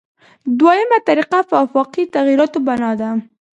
دویمه طریقه په آفاقي تغییراتو بنا ده.